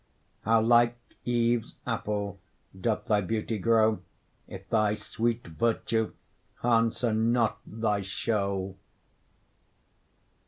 How like Eve's apple doth thy beauty grow, If thy sweet virtue answer not thy show!